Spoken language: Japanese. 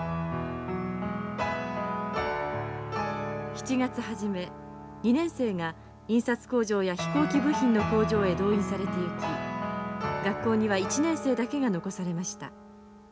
７月初め２年生が印刷工場や飛行機部品の工場へ動員されていき学校には１年生だけが残されました。